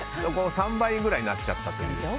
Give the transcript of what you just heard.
３倍ぐらいになっちゃったという。